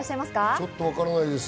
ちょっとわからないです。